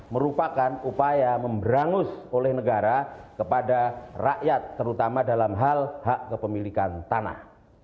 merupakan upaya memberangus oleh negara kepada rakyat terutama dalam hal hak kepemilikan tanah